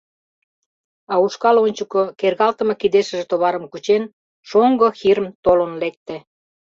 А ушкал ончыко, кергалтыме кидешыже товарым кучен, шоҥго Хирм толын лекте.